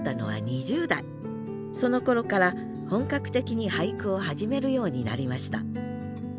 そのころから本格的に俳句を始めるようになりました。